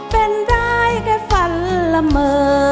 เป็นได้แค่ฝันละเมอ